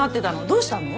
どうしたの？